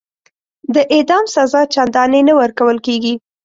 د اعدام سزا چنداني نه ورکول کیږي.